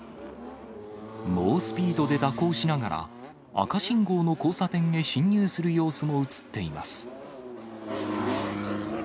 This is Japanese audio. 猛スピードで蛇行しながら、赤信号の交差点へ進入する様子も写っています。